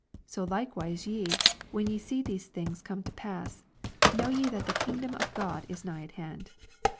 So likewise ye, when ye see these things come to pass, know ye that the kingdom of God is nigh at hand."